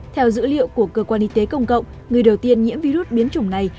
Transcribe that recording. theo dữ liệu của cơ quan y tế công cộng người đầu tiên nhiễm virus biến chủng này